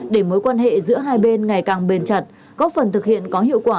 để mối quan hệ giữa hai bên ngày càng bền chặt góp phần thực hiện có hiệu quả